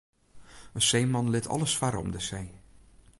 In seeman lit alles farre om de see.